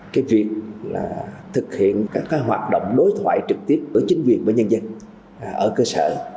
cái việc là thực hiện các hoạt động đối thoại trực tiếp với chính quyền và nhân dân ở cơ sở